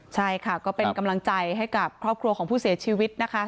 ใช่ค่ะก็เป็นกำลังใจให้กับครอบครัวของผู้เสียชีวิตนะคะ